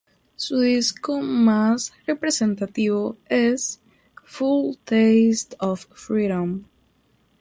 Su disco más representativo es "Foul Taste of Freedom".